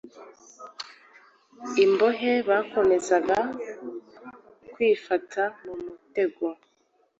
Imbohe bakomeza kwifata mumutego,